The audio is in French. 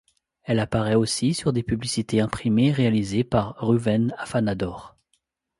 Elle apparaît aussi sur des publicités imprimées réalisées par Ruven Afanador.